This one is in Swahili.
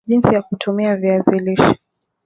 jinsi ya kutumia ya Viazi lishe